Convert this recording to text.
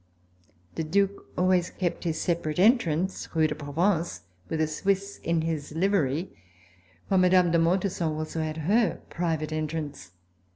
The Due always kept his separate entrance, Rue de Provence, with a Swiss in his livery, while Mme. de Montesson also had her private entrance.